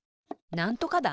なんとか団？